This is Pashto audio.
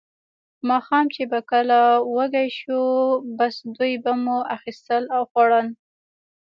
ماښام چې به کله وږي شوو، بس دوی به مو اخیستل او خوړل.